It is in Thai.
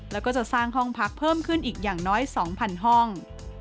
แล้วก็จะสร้างห้องพักเพิ่มขึ้นอีกอย่างน้อย๒๐๐ห้อง